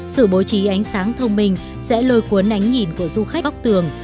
sự bố trí ánh sáng thông minh sẽ lôi cuốn ánh nhìn của du khách óc tường